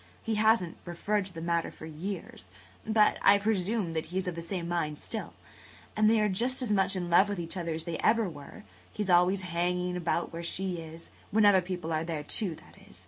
He hasn't referred to the matter for years, but I presume that he is of the same mind still. And they are just as much in love with each other as they ever were. He's always hanging about where she is–when other people are there, too, that is.